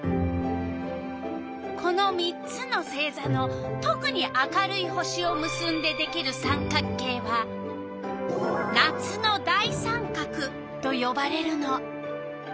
この３つの星座のとくに明るい星をむすんでできる三角形は「夏の大三角」とよばれるの。